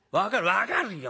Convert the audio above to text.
「分かるよ。